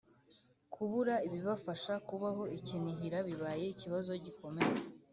kubura ibibafasha kubaho i Kinihira bibaye ikibazo gikomeye